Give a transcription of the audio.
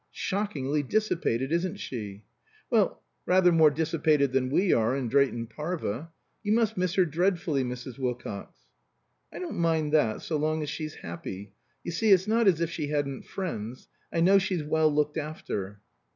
"Shockingly dissipated, isn't she?" "Well rather more dissipated than we are in Drayton Parva. You must miss her dreadfully, Mrs. Wilcox?" "I don't mind that so long as she's happy. You see, it's not as if she hadn't friends. I know she's well looked after."